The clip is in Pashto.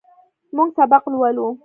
موږ سبق لولو.